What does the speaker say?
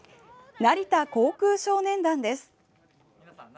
成田航空少年団です。